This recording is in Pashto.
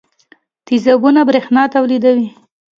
تیزابونه برېښنا تولیدوي.